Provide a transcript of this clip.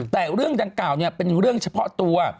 แต่เรื่องดังกล่าวเป็นเรื่องเฉพาะตัว